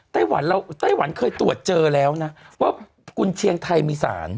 เราไต้หวันเคยตรวจเจอแล้วนะว่ากุญเชียงไทยมีสาร